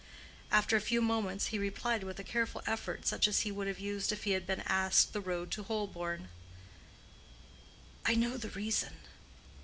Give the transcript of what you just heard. After a few moments, he replied with a careful effort such as he would have used if he had been asked the road to Holborn: "I know the reason.